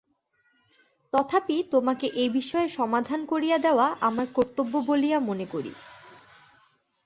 তথাপি তোমাকে এ বিষয়ে সাবধান করিয়া দেওয়া আমার কর্তব্য বলিয়া মনে করি।